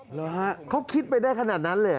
เหรอฮะเขาคิดไปได้ขนาดนั้นเลยเหรอ